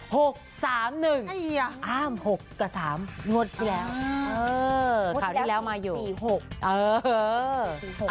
หกสามหนึ่งอ้าวหกกับสามหมวดที่แล้วเออหมวดที่แล้วมีสี่หกเออเออ